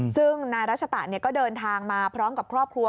ซึ่งนายรัชตะก็เดินทางมาพร้อมกับครอบครัว